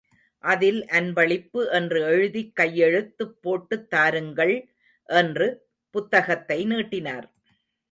அதில் அன்பளிப்பு என்று எழுதிக் கையெழுத்துப் போட்டுத் தாருங்கள், என்று புத்தகத்தை நீட்டினார்.